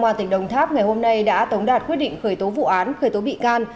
công an tỉnh đồng tháp ngày hôm nay đã tống đạt quyết định khởi tố vụ án khởi tố bị can